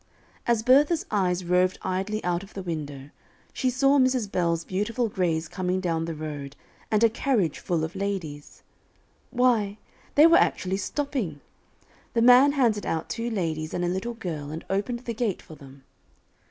As Bertha's eyes roved idly out of the window, she saw Mrs. Bell's beautiful grays coming down the road, and a carriage full of ladies. Why, they were actually stopping; the man handed out two ladies and a little girl, and opened the gate for them.